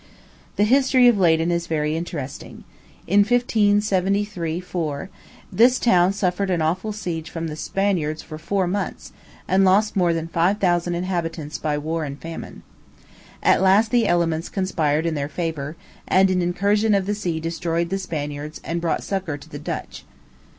The history of Leyden is very interesting. In 1573 4, this town suffered an awful siege from the Spaniards for four months, and lost more than five thousand inhabitants by war and famine. At last the elements conspired in their favor, and an incursion of the sea destroyed the Spaniards and brought succor to the Dutch.